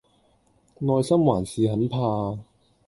內心還是很怕